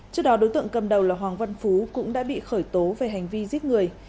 trước đó đối tượng cầm đầu là hoàng văn phú cũng đã bị khởi tố về hành vi giết người